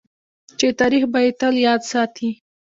چې تاریخ به یې تل یاد ساتي.